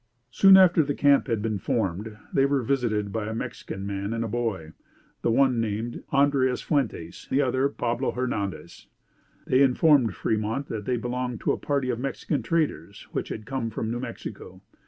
Soon after the camp had been formed, they were visited by a Mexican man and boy; the one named Andreas Fuentes, the other Pablo Hernandez. They informed Fremont that they belonged to a party of Mexican traders which had come from New Mexico.